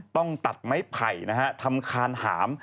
ต้องตัดไม้ไผ่นะฮะทำคานหาม